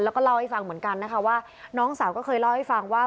แล้วก็เล่าให้ฟังเหมือนกันนะคะว่าน้องสาวก็เคยเล่าให้ฟังว่า